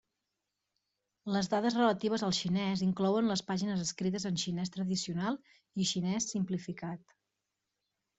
Les dades relatives al xinès inclouen les pàgines escrites en xinès tradicional i xinès simplificat.